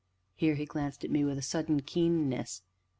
Here he glanced at me with a sudden keenness.